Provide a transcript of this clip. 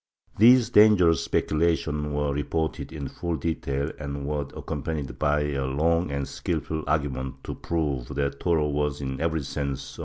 These dangerous speculations were reported in full detail and were accompanied by a long and skilful argument to prove that Toro was in every sense a Molinist.